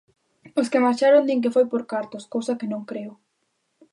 Os que marcharon din que foi por cartos, cousa que non creo.